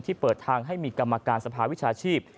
เปิดทางให้มีกรรมการสภาวิชาชีพ